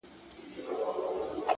علم د ژوند لاره اسانه کوي.!